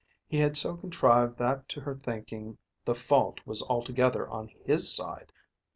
He had so contrived that to her thinking the fault was altogether on his side.